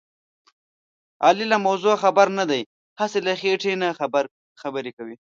علي له موضوع خبر نه دی. هسې له خېټې نه خبرې کوي.